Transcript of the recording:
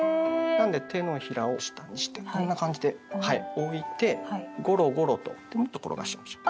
なんで手のひらを下にしてこんな感じで置いてゴロゴロと転がしましょう。